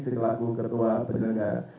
sekelaku ketua penyelenggara